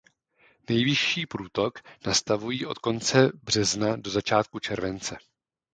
Nejvyšší průtoky nastávají od konce března do začátku července.